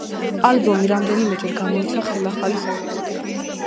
ალბომი რამდენიმეჯერ გამოიცა ხელახალი სახით.